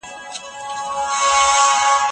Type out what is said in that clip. اقتصادي وده د اوږدې مودې لپاره دوام کوي.